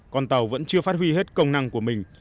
con tàu vẫn chưa phát huy hết công năng của mình